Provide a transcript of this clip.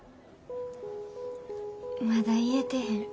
まだ言えてへん。